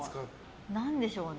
何でしょうね。